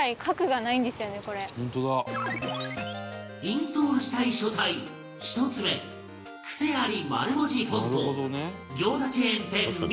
インストールしたい書体１つ目クセあり丸文字フォント餃子チェーン店